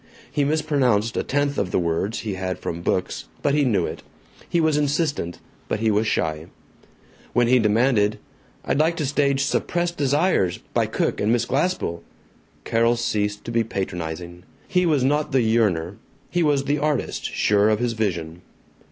He mispronounced a tenth of the words he had from books, but he knew it. He was insistent, but he was shy. When he demanded, "I'd like to stage 'Suppressed Desires,' by Cook and Miss Glaspell," Carol ceased to be patronizing. He was not the yearner: he was the artist, sure of his vision.